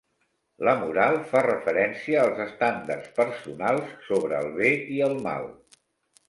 La moral fa referència als estàndards personals sobre el bé i el mal.